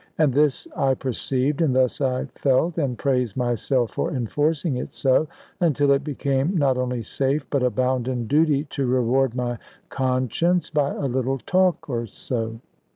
And this I perceived, and thus I felt, and praised myself for enforcing it so; until it became not only safe, but a bounden duty to reward my conscience by a little talk or so.